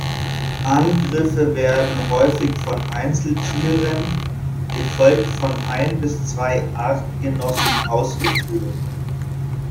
Angriffe werden häufig von Einzeltieren, gefolgt von ein bis zwei Artgenossen ausgeführt.